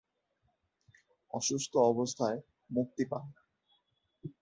অসুস্থ অবস্থায় মুক্তি পান।